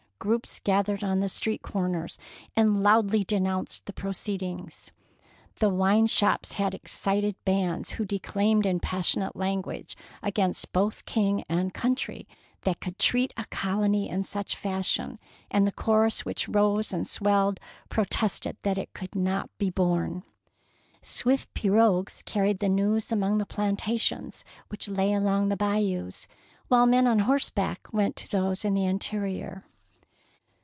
Grroups gath ered on the street corners and loudly denounced the proceedings. The wine shops held excited bands who de claimed in passionate language against both king and country that could treat a colony in such fashion, and the chorus which rose and swelled pro tested that it could not be borne. Swift pirogues carried the news among the plantations which lay along the Bayous, while men on horseback went to those in the interior.